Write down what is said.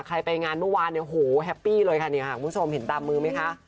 ไปงานเมื่อวานเนี่ยโหแฮปปี้เลยค่ะเนี่ยค่ะคุณผู้ชมเห็นตามมือไหมคะ